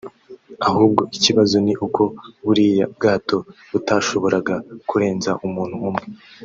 ahubwo ikibazo ni uko buriya bwato butashoboraga kurenza umuntu umwe